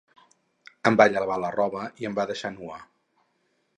Em va llevar la roba i em va deixar nua.